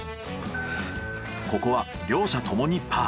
ここは両者ともにパー。